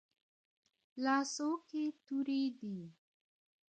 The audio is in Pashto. لاسو كې توري دي